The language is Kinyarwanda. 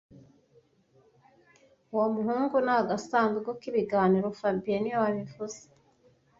Uwo muhungu ni agasanduku k'ibiganiro fabien niwe wabivuze